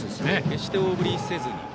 決して大振りせずに。